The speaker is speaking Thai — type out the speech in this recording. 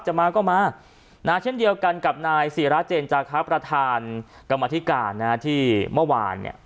มาก็มานะเช่นเดียวกันกับนายศิราเจนจาครับประธานกรรมธิการที่เมื่อวานเนี่ย